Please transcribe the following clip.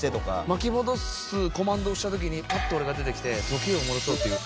巻き戻すコマンドを押した時にパッと俺が出てきて時を戻そうっていう。